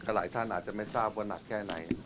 หลายท่านอาจจะไม่ทราบว่านักแค่ไหน